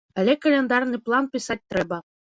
Але каляндарны план пісаць трэба.